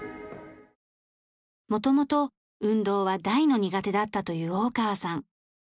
元々運動は大の苦手だったという大川さん。